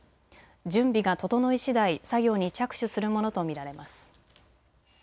準備が整いしだい作業に着手するものと見られます。